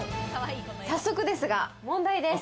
早速ですが問題です。